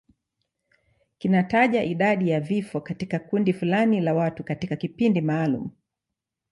Kinataja idadi ya vifo katika kundi fulani la watu katika kipindi maalum.